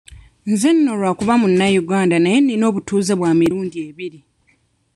Nze nno lwakuba munnayuganda naye nina obutuuze bwa mirundi ebiri.